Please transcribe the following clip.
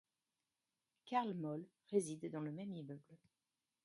Carl Moll réside dans le même immeuble.